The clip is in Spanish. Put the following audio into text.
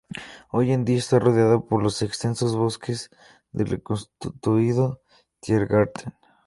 Hoy en día, está rodeado por los extensos bosques del reconstituido Tiergarten.